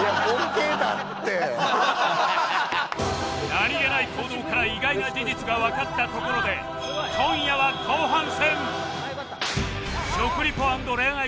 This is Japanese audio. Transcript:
何げない行動から意外な事実がわかったところで今夜は後半戦